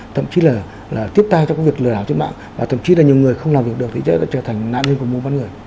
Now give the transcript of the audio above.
thậm chí là tiếp tay cho cái việc lừa đảo trên mạng và thậm chí là nhiều người không làm việc được thì trở thành nạn nhân của mô bán người